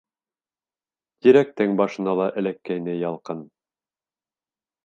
Тирәктең башына ла эләккәйне ялҡын.